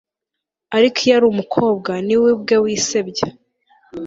ariko iyo ari umukobwa ni we ubwe wisebya